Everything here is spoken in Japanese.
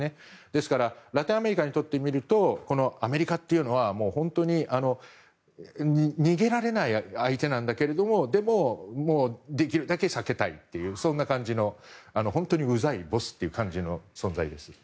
ですからラテンアメリカにとって見るとアメリカというのは、本当に逃げられない相手なんだけれどもでも、できるだけ避けたいという感じの本当にうざいボスという感じの存在です。